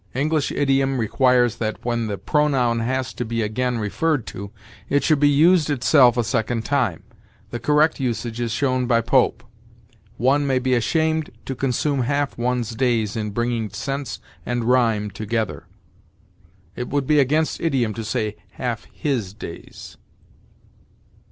English idiom requires that, when the pronoun has to be again referred to, it should be used itself a second time. The correct usage is shown by Pope: 'One may be ashamed to consume half one's days in bringing sense and rhyme together.' It would be against idiom to say 'half his days.'